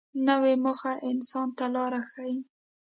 نوې موخه انسان ته لار ښیي